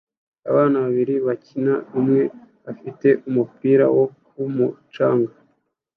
Abana babiri bakina umwe afite umupira wo ku mucanga